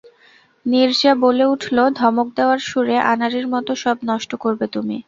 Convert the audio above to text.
নীরজা বলে উঠল ধমক দেওয়ার সুরে, আনাড়ির মতো সব নষ্ট করবে তুমি।